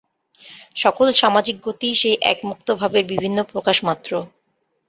সকল সামাজিক গতিই সেই এক মুক্তভাবের বিভিন্ন প্রকাশমাত্র।